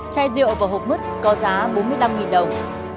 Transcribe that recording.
chai rượu và hộp mứt có giá bốn mươi năm đồng